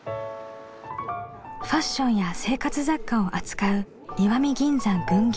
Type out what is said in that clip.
ファッションや生活雑貨を扱う石見銀山群言堂。